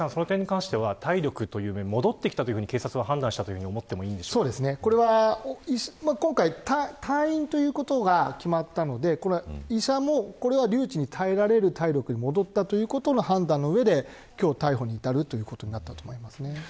体力という面では戻ってきたと警察が判断したと退院ということが決まったので医者も留置に耐えられる体力に戻ったという判断の上で今日、逮捕に至るということだと思います。